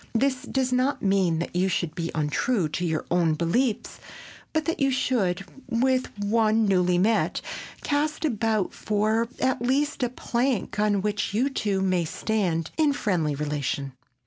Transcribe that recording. This does not mean that you should be untrue to your own beliefs, but that you should, with one newly met, cast about for at least a plank on which you two may stand in friendly relation.